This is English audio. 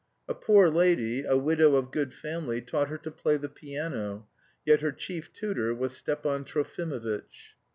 A poor lady, a widow of good family, taught her to play the piano. Yet her chief tutor was Stepan Trofimovitch.